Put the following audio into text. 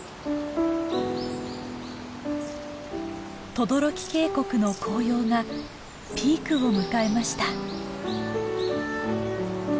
等々力渓谷の紅葉がピークを迎えました。